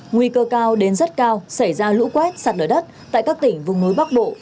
nguy cơ cao đến rất cao xảy ra lũ quét sạt lở đất tại các tỉnh vùng núi bắc bộ